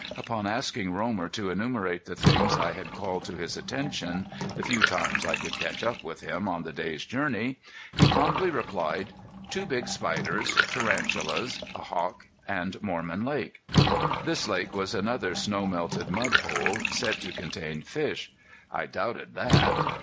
Upon asking Romer to enumerate the things I had called to his attention, the few times I could catch up with him on the day's journey, he promptly replied two big spiders tarantulas, a hawk, and Mormon Lake. This lake was another snow melted mud hole, said to contain fish. I doubted that.